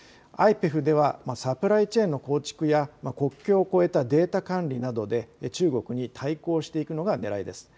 ＩＰＥＦではサプライチェーンの構築や国境を越えたデータ管理などで中国に対抗していくのがねらいです。